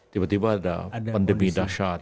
tiba tiba ada pandemi dahsyat